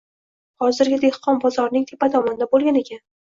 xozirgi dehqon bozorining tepa tomonida bo’lgan ekan.